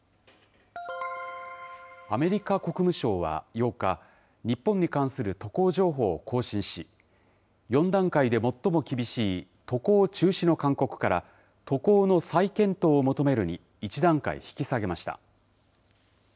アメリカ国務省は８日、日本に関する渡航情報を更新し、４段階で最も厳しい渡航中止の勧告から、渡航の再検討を求めるに、１段階引き下げました。